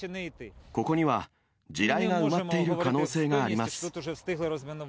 ここには地雷が埋まっている可能性があります。